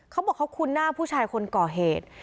เขาบอกเขาคุ้นหน้าผู้ชายคนก่อเหตุ